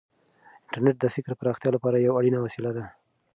انټرنیټ د فکر د پراختیا لپاره یوه اړینه وسیله ده.